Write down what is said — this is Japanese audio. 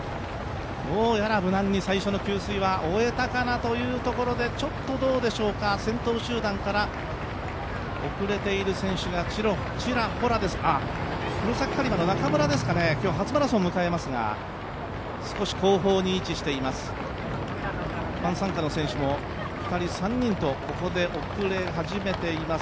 どうやら無難に最初の給水は終えたかなというところでちょっとどうでしょうか、先頭集団から遅れている選手がちらほらですが、中村ですかね、今日、初マラソンを迎えますが、後方に位置しています。